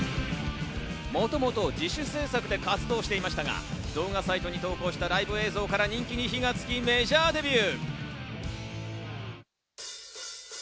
もともと自主制作で活動していましたが、動画サイトに投稿したライブ映像から人気に火がつきメジャーデビュー。